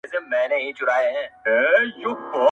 محبت په چیغو وایې قاسم یاره